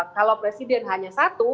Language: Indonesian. kalau presiden hanya satu